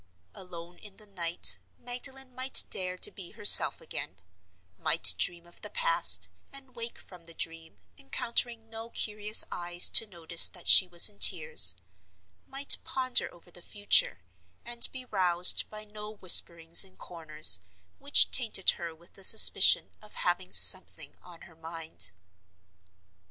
Alone in the night, Magdalen might dare to be herself again—might dream of the past, and wake from the dream, encountering no curious eyes to notice that she was in tears—might ponder over the future, and be roused by no whisperings in corners, which tainted her with the suspicion of "having something on her mind."